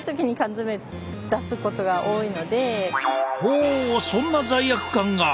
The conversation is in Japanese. ほうそんな罪悪感が。